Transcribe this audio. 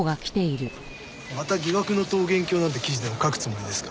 また疑惑の桃源郷なんて記事でも書くつもりですか？